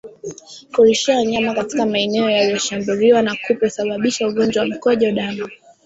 Kulishia wanyama katika maeneo yaliyoshambuliwa na kupe husababisha ugonjwa wa mkojo damu